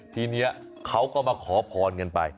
ทีนี้เขาก็มาขอพรกันไป